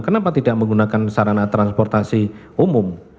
kenapa tidak menggunakan sarana transportasi umum